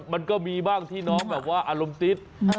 มันก็มีบ้างที่น้องอารมณ์ติด